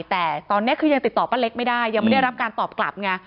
แต่ตอนนี้คือยังติดต่อป้าเล็กไม่ได้ยังไม่ได้รับการตอบกลับไง